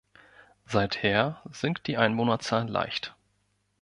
Seither sinkt die Einwohnerzahl leicht.